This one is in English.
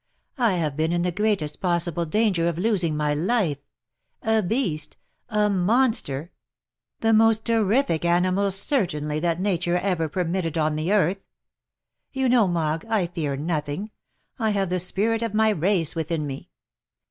I have been in the greatest possible danger of losing my life — a beast — a monster — the most terrific animal certainly that nature ever permitted on the earth ! You know, Mogg, I fear nothing — I have the spirit of my race within me.